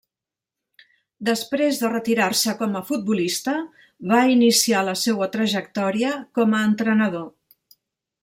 Després de retirar-se com a futbolista, va iniciar la seua trajectòria com a entrenador.